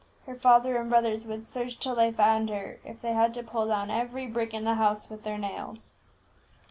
Her father and brothers would search till they found her, if they had to pull down every brick in the house with their nails!"